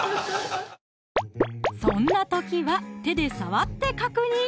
そんな時は手で触って確認